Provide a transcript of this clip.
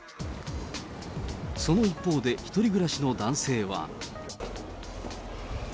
その一方で、１人暮らしの男性は。